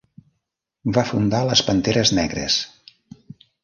Va fundar les Panteres Negres.